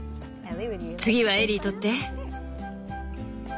次はエリー取って。